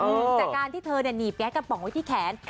จากการที่เธอหนีบแก๊สกระป๋องไว้ที่แขน